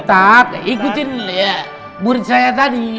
tak ikutin murid saya tadi